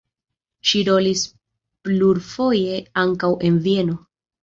Ŝi rolis plurfoje ankaŭ en Vieno.